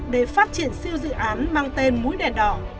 để phát triển siêu dự án mang tên mũi đèn đỏ